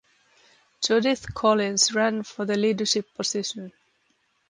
Judith Collins ran for the leadership position.